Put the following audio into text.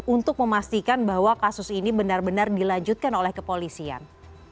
untuk memastikan bahwa kasus ini benar benar dilanjutkan oleh kepolisian